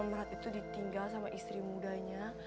berat itu ditinggal sama istri mudanya